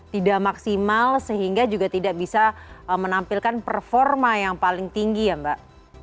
tidak maksimal sehingga juga tidak bisa menampilkan performa yang paling tinggi ya mbak